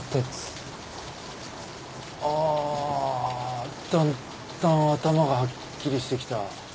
あだんだん頭がはっきりしてきた。